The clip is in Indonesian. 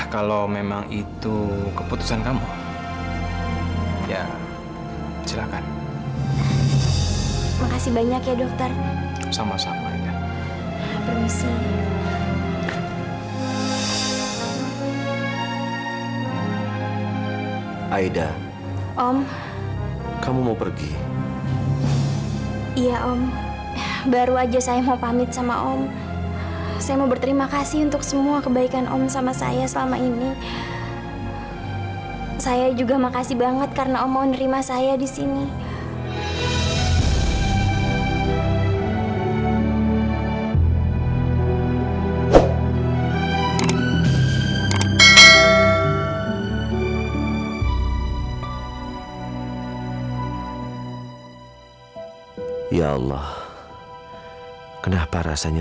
kalau sampai bu lara tahu kita kulit darah